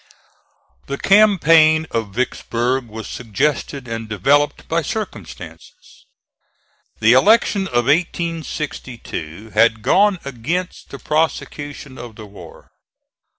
The campaign of Vicksburg was suggested and developed by circumstances. The elections of 1862 had gone against the prosecution of the war.